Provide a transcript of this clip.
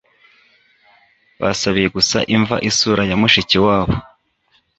Basabiye gusa imva Isura ya mushikiwabo